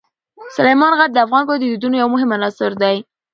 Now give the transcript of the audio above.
سلیمان غر د افغان کورنیو د دودونو یو مهم عنصر دی.